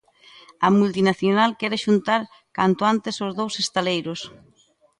A multinacional quere xuntar canto antes os dous estaleiros.